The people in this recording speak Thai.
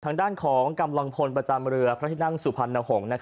ทางด้านของกำลังพลประจำเรือพระที่นั่งสุพรรณหงษ์